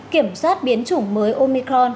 kiểm soát biến chủng mới omicron